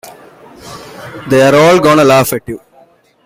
They're All Gonna Laugh at You!